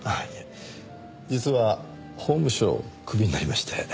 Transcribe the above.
いや実は法務省クビになりまして。